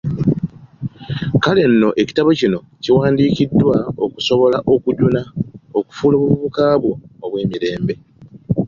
Kale nno ekitabo kino kiwandiikiddwa okusobola okukujuna okufuula obuvubuka bwo obw'emirembe.